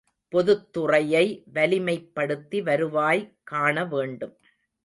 பொதுத் துறையை வலிமைப்படுத்தி வருவாய் காண வேண்டும்.